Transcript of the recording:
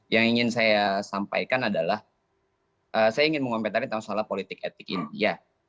yang ingin saya sampaikan adalah saya ingin mengomentari tentang masalah politik etik ini